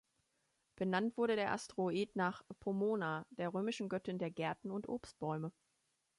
Benannt wurde der Asteroid nach Pomona, der römischen Göttin der Gärten und Obstbäume.